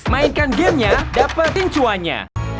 mainkan gamenya dapet pincuannya